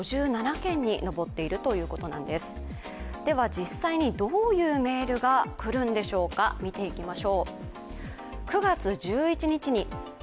実際にどういうメールが来るのでしょうか、見ていきましょう。